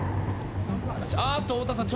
あっと太田さん